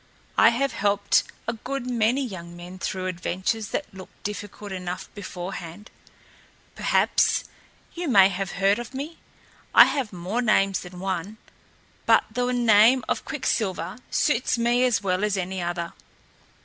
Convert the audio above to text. I have helped a good many young men through adventures that looked difficult enough beforehand. Perhaps you may have heard of me. I have more names than one, but the name of Quicksilver suits me as well as any other.